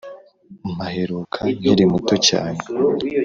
mpaheruka nkiri muto cyane